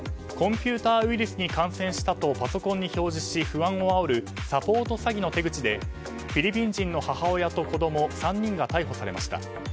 コンピューターウイルスに感染したとパソコンに表示し不安をあおるサポート詐欺の手口でフィリピン人の母親と子供３人が逮捕されました。